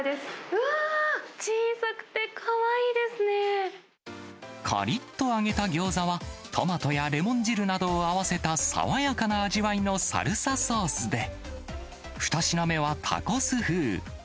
うわー、小さくてかわいいでかりっと揚げたギョーザは、トマトやレモン汁などを合わせた爽やかな味わいのサルサソースで、２品目はタコス風。